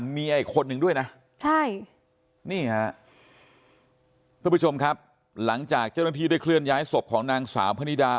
เพื่อผู้ชมครับหลังจากเจ้าตนทรีย์ได้เคลื่อนย้ายศพของนางสาวพระนิดา